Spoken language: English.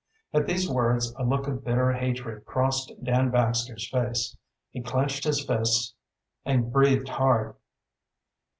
At these words a look of bitter hatred crossed Dan Baxter's face. He clenched his fists and breathed hard.